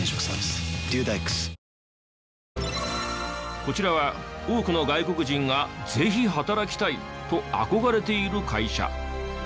こちらは多くの外国人がぜひ働きたいと憧れている会社。